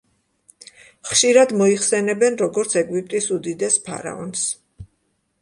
ხშირად მოიხსენებენ როგორც ეგვიპტის უდიდეს ფარაონს.